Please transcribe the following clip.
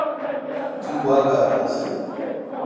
تی گوا کار آس۔